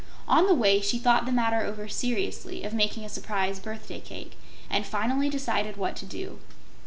On the way she thought the matter over seriously of making a surprise birthday cake and finally decided what to do.